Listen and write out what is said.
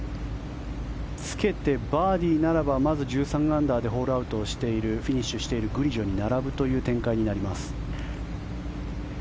つけてバーディーならばまず、１３アンダーでフィニッシュしているグリジョに並ぶという展開になります。